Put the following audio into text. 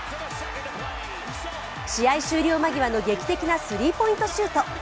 試合終了間際の劇的なスリーポイントシュート。